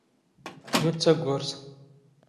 ⵢⵓⵜ ⵜⴰⴳⴳⵓⵔⵜ.